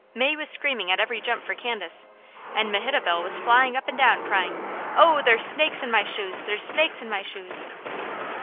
May was screaming at every jump for Candace, and Mehitabel was flying up and down crying: "Oh there's snakes in my shoes! There's snakes in my shoes!"